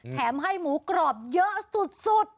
แถมให้หมูกรอบเยอะสุด